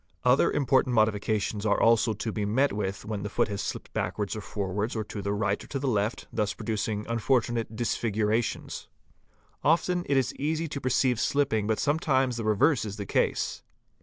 Other important modifications are also to be met with when the foot has slipped back wards or forwards or to the right or to the left, thus producing unfortu nate disfigurations. | Often it is easy to perceive slipping but sometimes the reverse is the case.